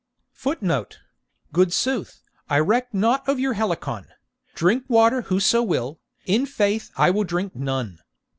[Footnote: Good sooth, I reck nought of your Helicon; Drink water whoso will, in faith I will drink none.